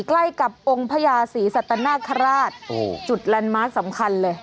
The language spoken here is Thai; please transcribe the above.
ใกล้กับองค์พญาศีสัตนาคาราชจุดลันมาสสำคัญเลย